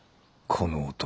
この男